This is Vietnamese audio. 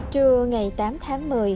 trưa ngày tám tháng một mươi